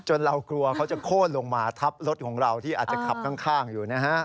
เรากลัวเขาจะโค้นลงมาทับรถของเราที่อาจจะขับข้างอยู่นะฮะ